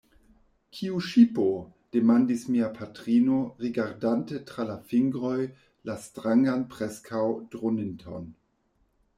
Kiu ŝipo? demandis mia patrino, rigardante tra la fingroj la strangan preskaŭ-droninton.